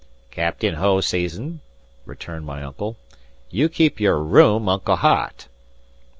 "Captain Hoseason," returned my uncle, "you keep your room unco hot."